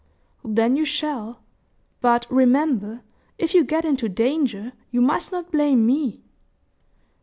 "Then you shall; but, remember, if you get into danger, you must not blame me."